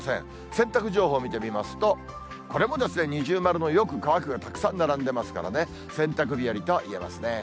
洗濯情報見てみますと、これも二重丸のよく乾くがたくさん並んでますからね、洗濯日和と言えますね。